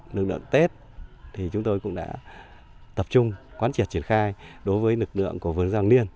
lực lượng tết thì chúng tôi cũng đã tập trung quán triệt triển khai đối với lực lượng của vườn giang liên